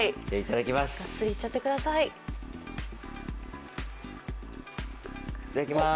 いただきます。